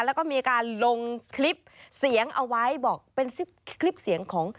แล้วก็มีการลงคลิปเสียงเอาไว้บอกเป็นคลิปเสียงของ